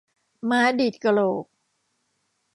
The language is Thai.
ม้าดีดกระโหลก